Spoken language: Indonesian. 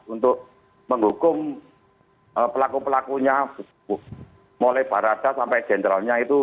untuk menghukum pelaku pelakunya mulai barada sampai generalnya itu